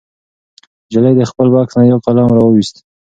نجلۍ د خپل بکس نه یو قلم راوویست.